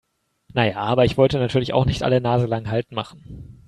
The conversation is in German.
Na ja, aber ich wollte natürlich auch nicht alle naselang Halt machen.